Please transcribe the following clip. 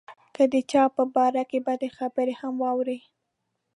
که د چا په باره کې بدې خبرې هم واوري.